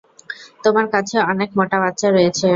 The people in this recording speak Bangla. তোমার কাছে অনেক মোটা বাচ্চা রয়েছে!